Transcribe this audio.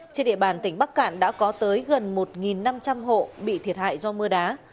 trên địa bàn tỉnh bắc cạn đã có tới gần một năm trăm linh hộ bị thiệt hại do mưa đá